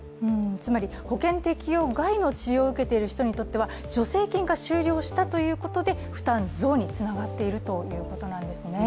つまり保険適用外の治療を受けている人にとっては助成金が終了したということで、負担増につながっているということなんですね